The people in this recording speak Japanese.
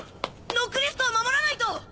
ノックリストを守らないと！